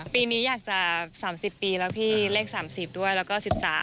ปีนี้อยากจะ๓๐ปีแล้วพี่เลข๓๐ด้วยแล้วก็๑๓